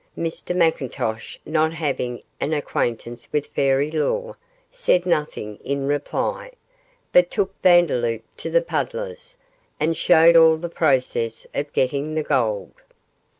Mr McIntosh, not having an acquaintance with fairy lore, said nothing in reply, but took Vandeloup to the puddlers, and showed all the process of getting the gold.